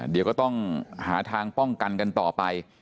เดี๋ยวก็ต้องหาทางป้องกันกันต่อไป